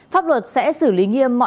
pháp luật sẽ xử lý nghiêm